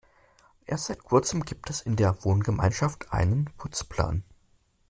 Erst seit Kurzem gibt es in der Wohngemeinschaft einen Putzplan.